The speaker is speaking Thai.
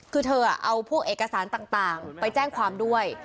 คือเธอเอาพวกเอกสารต่างไปแจ้งความด้วย